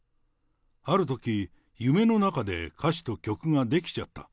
あるとき、夢の中で歌詞と曲が出来ちゃった。